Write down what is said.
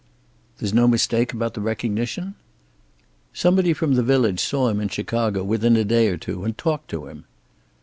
"There's no mistake about the recognition?" "Somebody from the village saw him in Chicago within day or two, and talked to him."